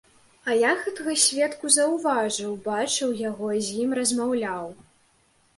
А я гэтага сведку заўважыў, бачыў яго, з ім размаўляў.